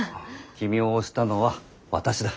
君を推したのは私だ。